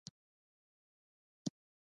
معلولین هم ورزش کوي.